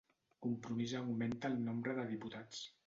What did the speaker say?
Compromís augmenta el nombre de diputats